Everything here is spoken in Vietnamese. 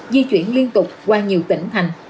di chuyển liên tục qua nhiều tỉnh thành